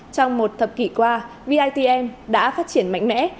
trong một thập kỷ qua bitm đã phát triển mạnh mẽ